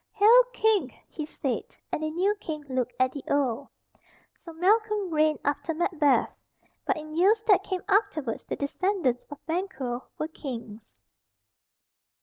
"Hail, King!" he said; and the new King looked at the old. So Malcolm reigned after Macbeth; but in years that came afterwards the descendants of Banquo were kings.